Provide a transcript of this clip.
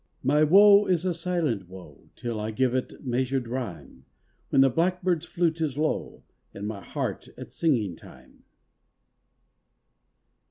My woe is a silent woe 'Til I give it measured rhyme, When the blackbird's flute is low In my heart at singing time.